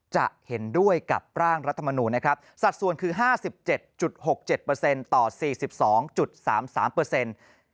จะเห็นด้วยกับร่างรัฐมนูลนะครับสัดส่วนคือ๕๗๖๗ต่อ๔๒๓๓เปอร์เซ็นต์